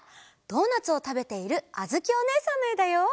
ドーナツをたべているあづきおねえさんのえだよ！